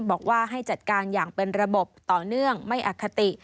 บอกว่าให้จัดการอย่างเป็นระบบต่อเนื่องไม่อคติ